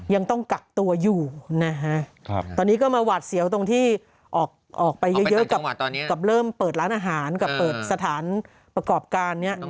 ยังต้องกักตัวอยู่นะฮะตอนนี้ก็มาหวาดเสียวตรงที่ออกไปเยอะกับเริ่มเปิดร้านอาหารกับเปิดสถานประกอบการนี้